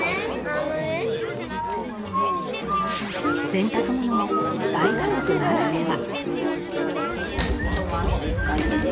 洗濯物も大家族ならでは